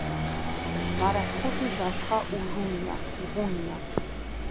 მარას ხუთი ჟაშხა უღუნია